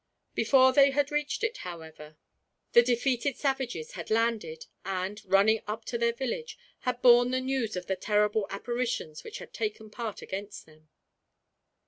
Before they had reached it, however, the defeated savages had landed and, running up to their village, had borne the news of the terrible apparitions which had taken part against them.